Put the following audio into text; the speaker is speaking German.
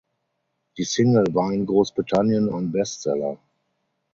Die Single war in Großbritannien ein Bestseller.